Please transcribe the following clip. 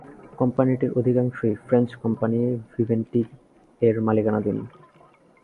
কোম্পানিটির অধিকাংশই French company ভিভেনডি-এর মালিকানাধীন।